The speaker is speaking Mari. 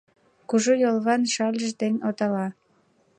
Кужу йолван шальыж ден отала.